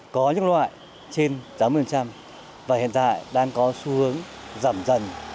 có những loại trên tám mươi và hiện tại đang có xu hướng giảm dần